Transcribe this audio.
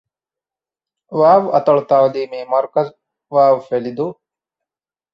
ވ. އަތޮޅު ތަޢުލީމީ މަރުކަޒު، ވ. ފެލިދޫ